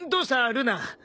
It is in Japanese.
ルナ。